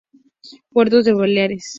Puertos de Baleares